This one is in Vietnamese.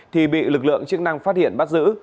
thì bị lực lượng chức năng phát hiện bắt giữ